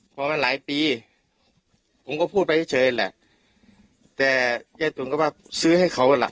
พอมาหลายปีผมก็พูดไปเฉยเฉยแหละแต่ยายตุ๋นก็ว่าซื้อให้เขาล่ะ